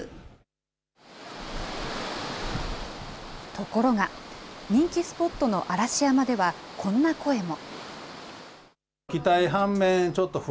ところが、人気スポットの嵐山ではこんな声も。